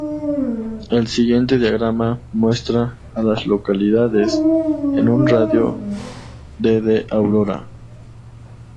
El siguiente diagrama muestra a las localidades en un radio de de Aurora.